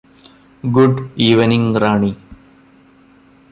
good evening Rani